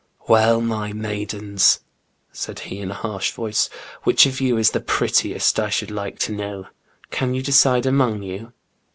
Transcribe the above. "Well, my maidens," said he in a harsh voice, *^ which of you is the prettiest, I should like to know ; can you decide among you